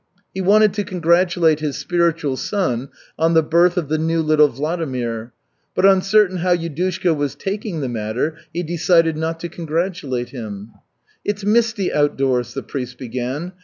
He wanted to congratulate his spiritual son on the birth of the new little Vladimir, but uncertain how Yudushka was taking the matter, he decided not to congratulate him. "It's misty outdoors," the priest began.